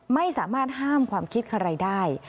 ไม่สามารถห้ามความคิดใครได้